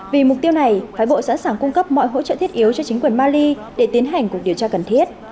vì mục tiêu này phái bộ sẵn sàng cung cấp mọi hỗ trợ thiết yếu cho chính quyền mali để tiến hành cuộc điều tra cần thiết